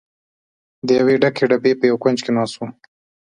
د یوې ډکې ډبې په یوه کونج کې ناست و.